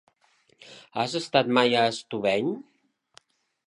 Has estat mai a Estubeny?